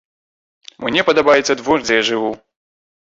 Мне падабаецца двор, дзе я жыву.